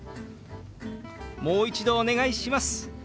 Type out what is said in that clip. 「もう一度お願いします」。